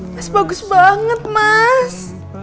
mas bagus banget mas